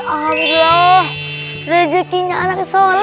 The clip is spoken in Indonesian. alhamdulillah rezeki nya anak soleh